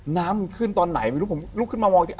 น้ำมันขึ้นตอนไหนไม่รู้ผมลุกขึ้นมามอง